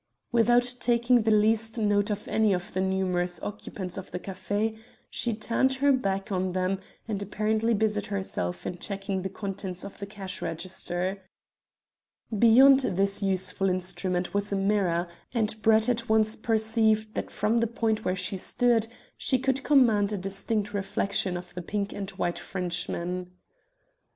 Without taking the least notice of any of the numerous occupants of the café she turned her back on them, and apparently busied herself in checking the contents of the cash register. Beyond this useful instrument was a mirror, and Brett at once perceived that from the point where she stood she could command a distinct reflection of the pink and white Frenchman.